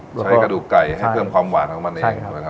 ใช้กระดูกไก่ให้เพิ่มความหวานของมันเองนะครับ